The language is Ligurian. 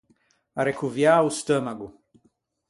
Arrecoviâ o steumago.